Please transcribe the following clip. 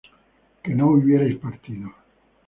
que no hubierais partido